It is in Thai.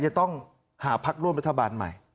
จะต้องหาพักร่วมรัฐบาลใหม่